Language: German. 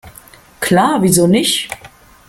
Klar, wieso nicht?